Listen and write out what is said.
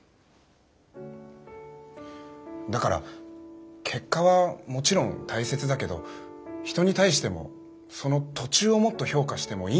だから結果はもちろん大切だけど人に対してもその途中をもっと評価してもいいんじゃないかな。